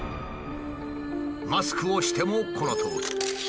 マスクをしてもこのとおり。